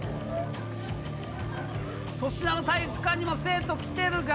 粗品の体育館にも生徒来てるが。